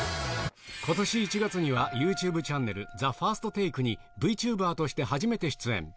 ことし１月には、ＹｏｕＴｕｂｅチャンネル、ＴＨＥＦＩＲＳＴＴＡＫＥにＶｔｕｂｅｒとして初めて出演。